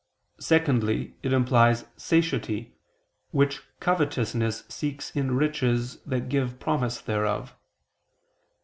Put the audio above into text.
_ Secondly, it implies satiety, which covetousness seeks in riches that give promise thereof.